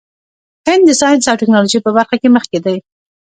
هند د ساینس او ټیکنالوژۍ په برخه کې مخکې دی.